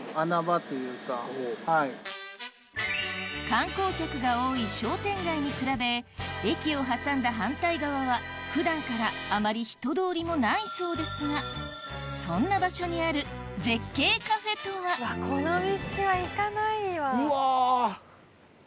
観光客が多い商店街に比べ駅を挟んだ反対側は普段からあまり人通りもないそうですがそんなこの道は行かないわ。